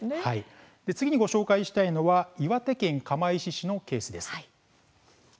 次にご紹介したいのは岩手県釜石市のケースです。